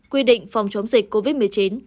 quy định phòng chống dịch covid một mươi chín